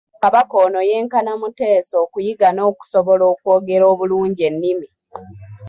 Kabaka ono yenkana Mutesa okuyiga n'okusobola okwogera obulungi ennimi.